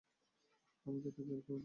আমাকে এত কেয়ার করো তুমি!